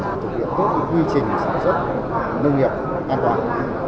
để thực hiện tốt quy trình sản xuất nông nghiệp an toàn